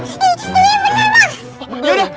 itu itu itu emang emang